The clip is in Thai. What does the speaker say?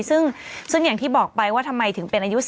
ซึ่งอย่างที่บอกไปว่าทำไมถึงเป็นอายุ